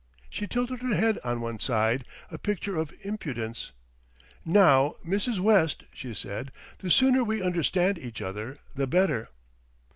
She tilted her head on one side, a picture of impudence. "Now, Mrs. West," she said, "the sooner we understand each other the better."